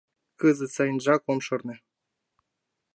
— Кызыт сайынжак ом шарне.